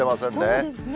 そうですね。